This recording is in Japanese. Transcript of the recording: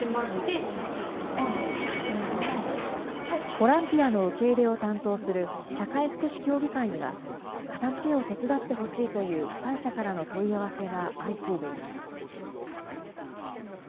ボランティアの受け入れを担当する社会福祉協議会には、片づけを手伝ってほしいという被災者からの問い合わせが相次いでいます。